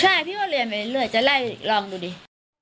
ใช่พี่ก็เรียนไปเรื่อยจะไล่ลองดูดิ